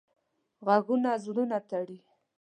غږونه زړونه تړي